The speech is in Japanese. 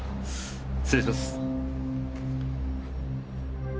失礼します。